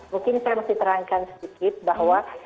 mungkin saya mesti terangkan sedikit bahwa